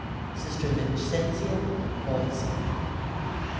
Sister Vincentia Waltzing.